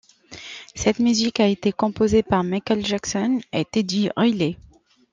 Cette musique a été composée par Michael Jackson et Teddy Riley.